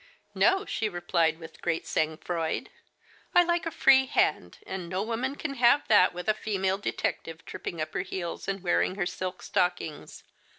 " No," she replied with great sangfroid^ " I like a free hand, and no woman can have that, with a female detective tripping up her heels, and wearing her silk stockings.